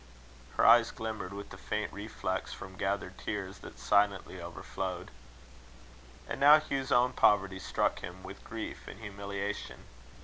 Her eyes glimmered with the faint reflex from gathered tears, that silently overflowed. And now Hugh's own poverty struck him with grief and humiliation.